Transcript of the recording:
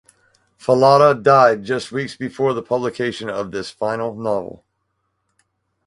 Fallada died just weeks before the publication of this final novel.